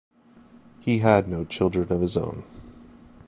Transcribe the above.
He had no children of his own.